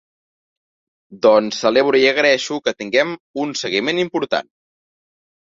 Doncs celebro i agraeixo que tinguem un seguiment important.